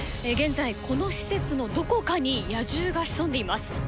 現在この施設のどこかに野獣が潜んでいます。